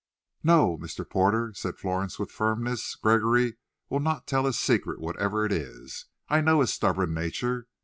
"No, Mr. Porter," said Florence, with firmness; "Gregory will not tell his secret, whatever it is. I know his stubborn nature.